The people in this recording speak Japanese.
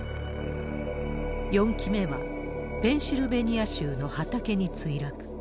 ４機目はペンシルベニア州の畑に墜落。